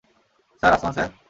Sir, আসমান, sir!